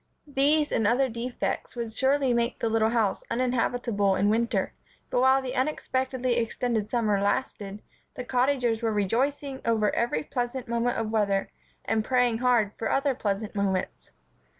These, and other defects, would surely make the little house uninhabitable in winter; but while the unexpectedly extended summer lasted, the Cottagers were rejoicing over every pleasant moment of weather and praying hard for other pleasant moments.